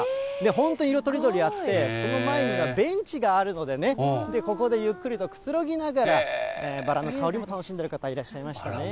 本当、色とりどりあって、その前にはベンチがあるのでね、ここでゆっくりとくつろぎながら、バラの香りも楽しんでる方いらっしゃいましたね。